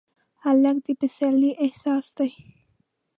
هلک د پسرلي احساس دی.